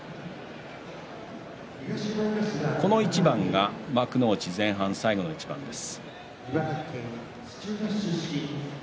この一番が幕内前半最後の一番です。